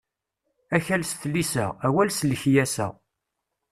Akkal s tlisa, awal s lekyasa.